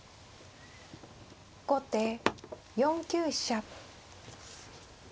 後手４九飛車。